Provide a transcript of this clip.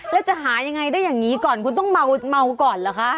แล้วจะหายังไงได้อย่างนี้ก่อนคุณต้องเมาก่อนเหรอคะ